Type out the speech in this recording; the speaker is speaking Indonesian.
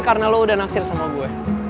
karena lo udah naksir sama gue